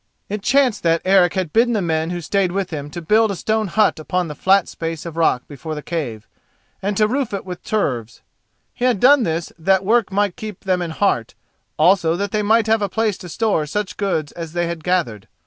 It chanced that Eric had bidden the men who stayed with him to build a stone hut upon the flat space of rock before the cave, and to roof it with turves. He had done this that work might keep them in heart, also that they might have a place to store such goods as they had gathered.